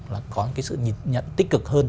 là có cái sự nhận tích cực hơn